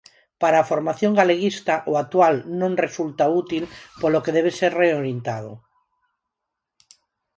Para a formación galeguista, o actual "non resulta útil" polo que debe ser reorientado.